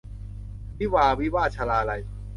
วิวาห์วิวาท - ชลาลัย